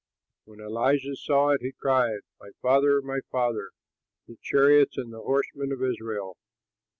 When Elisha saw it, he cried, "My father, my father! the chariots and the horsemen of Israel!"